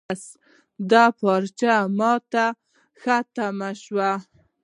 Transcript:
بس دا پارچه ما ته ښه تمامه شوه.